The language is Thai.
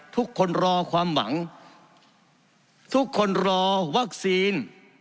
ทุกคนรอความหวังทุกคนรอวัคซีน